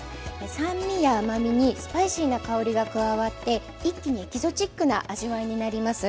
酸味や甘みにスパイシーな香りが加わって一気にエキゾチックな味わいになります。